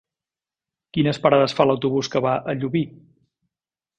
Quines parades fa l'autobús que va a Llubí?